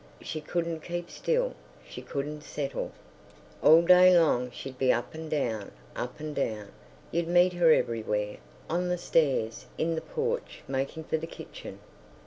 She couldn't keep still, she couldn't settle. All day long she'd be up and down, up and down; you'd meet her everywhere,—on the stairs, in the porch, making for the kitchen.